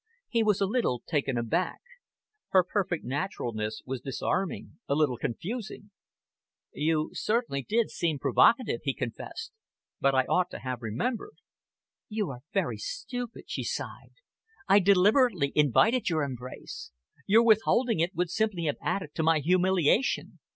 He was a little taken aback. Her perfect naturalness was disarming, a little confusing. "You certainly did seem provocative," he confessed, "but I ought to have remembered." "You are very stupid," she sighed. "I deliberately invited your embrace. Your withholding it would simply have added to my humiliation.